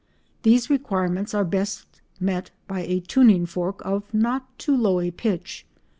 These requirements are best met by a tuning fork of not too low a pitch.